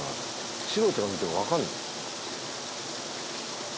素人が見ても分かるの？